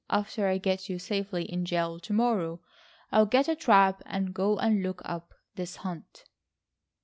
After I get you safely in jail to morrow, I'll get a trap and go and look up this hut."